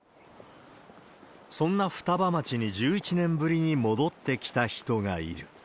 そんな双葉町に１１年ぶりに戻ってきた人がいる。